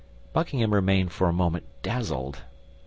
Buckingham remained for a moment dazzled.